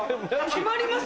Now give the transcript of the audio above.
決まります？